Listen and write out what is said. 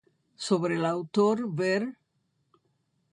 Sobre el autor ver